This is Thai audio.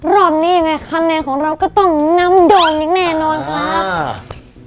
รอบนี้ยังไงคะแนนของเราก็ต้องนำโดนอย่างแน่นอนครับ